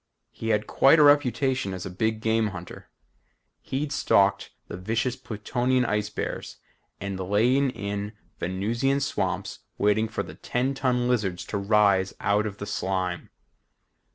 He had quite a reputation as a big game hunter. He'd stalked the vicious Plutonian ice bears and lain in Venusian swamps waiting for the ten ton lizards to rise out of the slime.